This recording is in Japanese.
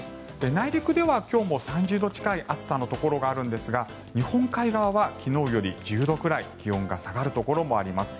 内陸では今日も３０度近い暑さのところがあるんですが日本海側は昨日より１０度くらい気温が下がるところもあります。